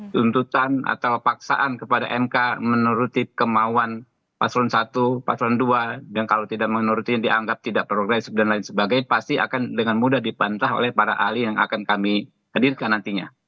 tuntutan atau paksaan kepada mk menuruti kemauan paslon satu paslon dua dan kalau tidak menuruti dianggap tidak progresif dan lain sebagainya pasti akan dengan mudah dipantah oleh para ahli yang akan kami hadirkan nantinya